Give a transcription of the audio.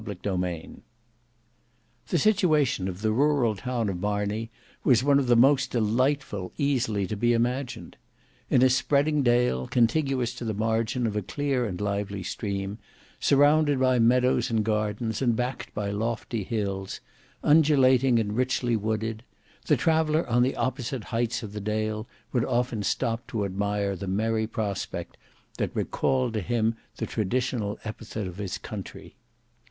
Book 2 Chapter 3 The situation of the rural town of Marney was one of the most delightful easily to be imagined. In a spreading dale, contiguous to the margin of a clear and lively stream, surrounded by meadows and gardens, and backed by lofty hills, undulating and richly wooded, the traveller on the opposite heights of the dale would often stop to admire the merry prospect, that recalled to him the traditional epithet of his country.